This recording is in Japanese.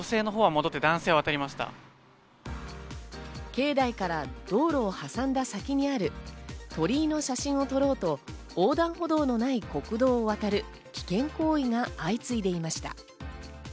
境内から道路を挟んだ先にある鳥居の写真を撮ろうと横断歩道のない国道を渡る危険行為が相次いでいました。